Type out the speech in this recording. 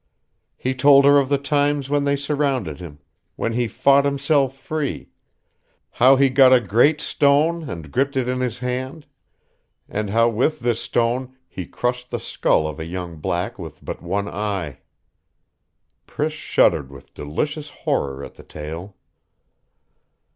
He told her of the times when they surrounded him, when he fought himself free.... How he got a great stone and gripped it in his hand, and how with this stone he crushed the skull of a young black with but one eye. Priss shuddered with delicious horror at the tale....